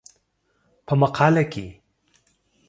په مقاله کې